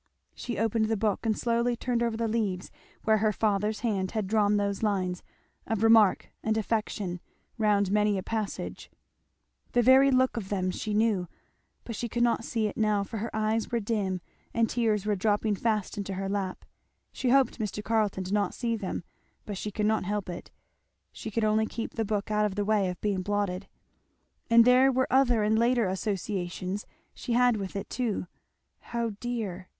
She opened the book and slowly turned over the leaves where her father's hand had drawn those lines, of remark and affection, round many a passage, the very look of them she knew; but she could not see it now, for her eyes were dim and tears were dropping fast into her lap, she hoped Mr. Carleton did not see them, but she could not help it; she could only keep the book out of the way of being blotted. And there were other and later associations she had with it too, how dear!